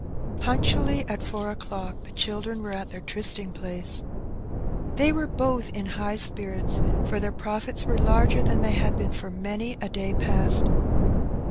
*' Punctually at four o^clock the children were at their trysting pla^je. They were both in high spirits, for their profits were larger than they had been for many a day past.